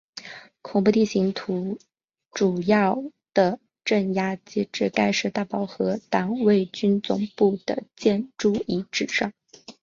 恐怖地形图主要的镇压机构盖世太保和党卫军总部的建筑遗址上。